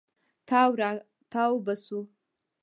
تاو راتاو به سو.